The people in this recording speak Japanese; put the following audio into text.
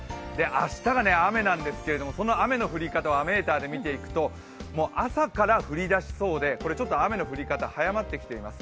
明日が雨なんですけれどもその雨の降り方をメーターで見ていくと、朝から降り出しそうで、雨の降り方が早まってきています。